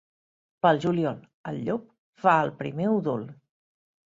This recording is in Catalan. Pel juliol, el llop fa el primer udol.